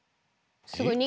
すごい。